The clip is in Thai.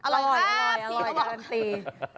อร่อยอร่อยแบบนั้นตี